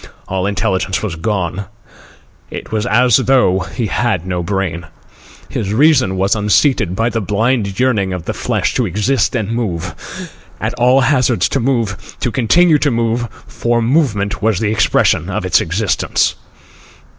All intelligence was gone. It was as though he had no brain. His reason was unseated by the blind yearning of the flesh to exist and move, at all hazards to move, to continue to move, for movement was the expression of its existence.